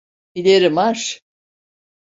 İleri marş!